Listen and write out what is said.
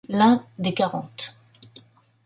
l’un des quarante.